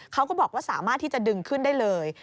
เขาก็บอกว่าสามารถที่จะดึงขึ้นได้เลย